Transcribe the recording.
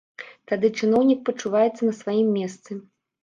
Тады чыноўнік пачуваецца на сваім месцы.